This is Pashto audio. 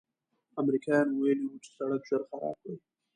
امریکایانو ویلي و چې سړک ژر خراب کړي.